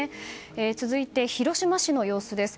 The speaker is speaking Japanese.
続いて、広島市の様子です。